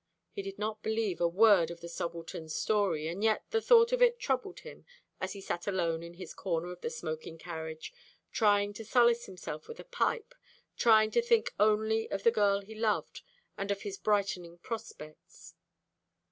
He did not believe a word of the subaltern's story, and yet the thought of it troubled him as he sat alone in his corner of the smoking carriage, trying to solace himself with a pipe, trying to think only of the girl he loved, and of his brightening prospects.